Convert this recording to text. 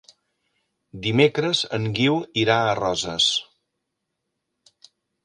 Dimecres en Guiu irà a Roses.